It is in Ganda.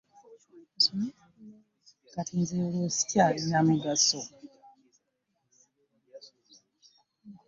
Kati nze olwo ssikyalina mugaso?